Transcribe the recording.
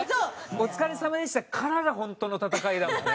「お疲れさまでした」からが本当の戦いだもんね。